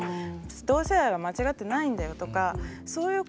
同性愛は間違ってないんだよとかそういうことの方が。